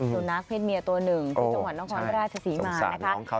สุนัขเศษเมียตัวหนึ่งที่จังหวัดนครราชศรีมานะคะ